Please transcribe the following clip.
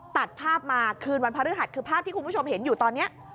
ตัดภาพมาคืนวันพระฤหัสคือภาพที่คุณผู้ชมเห็นอยู่ตอนนี้